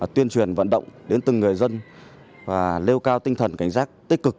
tuyên truyền vận động đến từng người dân lêu cao tinh thần cảnh giác tích cực